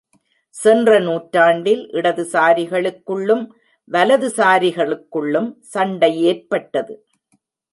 சென்ற நூற்றாண்டில் இடது சாரிகளுக்குள்ளும் வலது சாரிகளுக்குள்ளும் சண்டை ஏற்பட்டது.